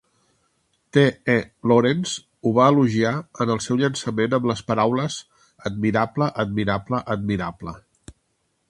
T. E. Lawrence ho va elogiar en el seu llançament amb les paraules "Admirable, admirable, admirable".